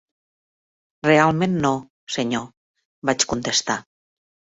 "Realment no, senyor", vaig contestar.